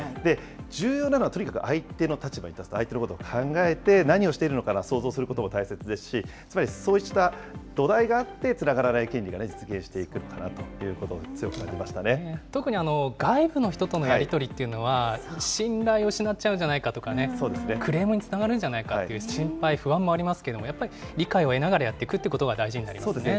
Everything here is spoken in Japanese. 重要なのは、例えば相手の立場に立つ、相手のことを考えて、何をしているのかなと想像することも大切ですし、つまりそうした土台があって、つながらない権利が、実現していくのかなということを特に外部の人とのやり取りというのは、信頼を失っちゃうんじゃないかとか、クレームにつながるんじゃないかという心配、不安もありますけれども、理解を得ながらやっていくということが大事になりますね。